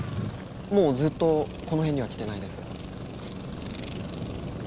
もうずっとこの辺には来てないです。